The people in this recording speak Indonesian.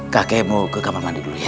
kakek mau ke kamar mandi dulu ya